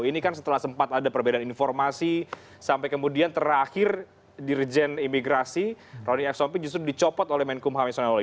ini kan setelah sempat ada perbedaan informasi sampai kemudian terakhir dirijen imigrasi rony exompi justru dicopot oleh menkum hamesonawoli